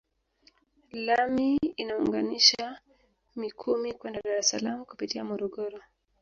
Lami inaunganisha Mikumi kwenda Dar es Salaam kupitia Morogoro